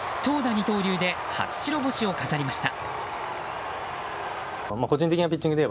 二刀流で初白星を飾りました。